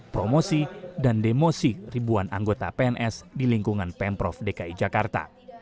promosi dan demosi ribuan anggota pns di lingkungan pemprov dki jakarta